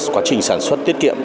quá trình sản xuất tiết kiệm